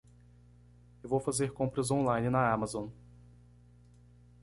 Eu vou fazer compras on-line na Amazon.